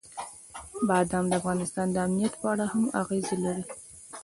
بادام د افغانستان د امنیت په اړه هم اغېز لري.